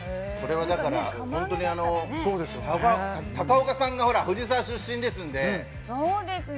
これは、本当に高岡さんが藤沢出身ですので。